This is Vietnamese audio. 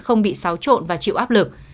không bị xáo trộn và chịu áp lực